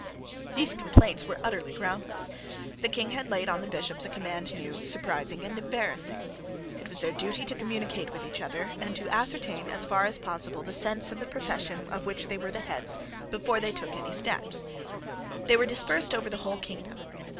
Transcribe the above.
These complaints were utterly groundless. The King had laid on the Bishops a command new, surprising, and embarrassing. It was their duty to communicate with each other, and to ascertain as far as possible the sense of the profession of which they were the heads before they took any step. They were dispersed over the whole kingdom.